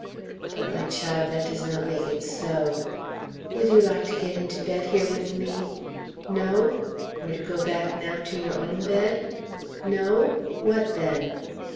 "But, my child, that does not make it so. Would you like to get into bed here with me? No? or to go back now to your own bed? No? What, then?"